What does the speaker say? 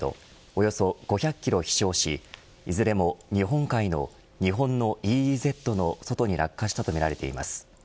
およそ５００キロ飛翔しいずれも日本のＥＥＺの外に落下したとみられています。